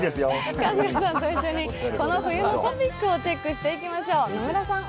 春日さんと一緒にこの冬のトピックをチェックしていきましょう。